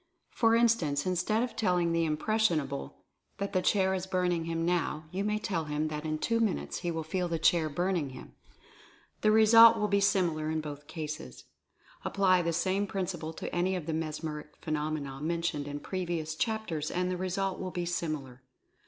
For instance, instead of telling the "impressionable" that the chair is burning him now, you may tell him that in two minutes he will feel the chair burning' him — the result will be similar in both cases. Apply the same principle to any of the mesmeric phenomena mentioned in previous chapters and the result will be similar.